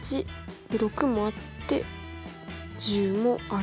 で６もあって１０もある。